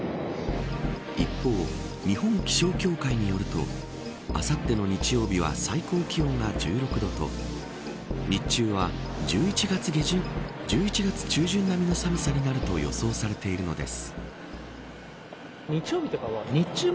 一方、日本気象協会によるとあさっての日曜日は最高気温が１６度と日中は１１月中旬並みの寒さになると予想されているものです。